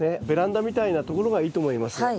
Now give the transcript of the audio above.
ベランダみたいなところがいいと思います。